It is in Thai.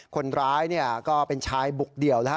คนร้ายก็เป็นชายบุกเดี่ยวนะฮะ